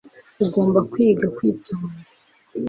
ugomba kwiga kwitonda